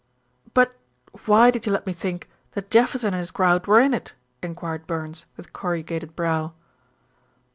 "But why did you let me think that Jefferson and his crowd were in it?" enquired Burns, with corrugated brow.